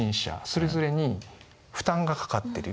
それぞれに負担がかかってる。